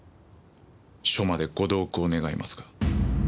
署までご同行願えますか？